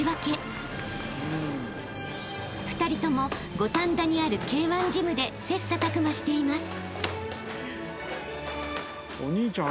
［２人とも五反田にあるＫ−１ジムで切磋琢磨しています］